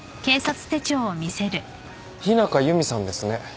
日中弓さんですね。